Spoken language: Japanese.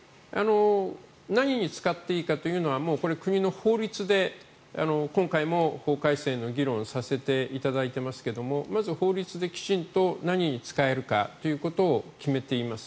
何に使っていいかというのは国の法律で今回も、法改正の議論をさせていただいていますがまず、法律できちんと何に使えるかということを決めています。